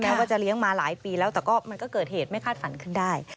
ว่าจะเลี้ยงมาหลายปีแล้วแต่ก็มันก็เกิดเหตุไม่คาดฝันขึ้นได้